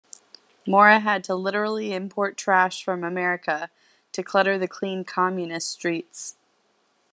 Mora had to "literally import trash from America to clutter the clean communist streets".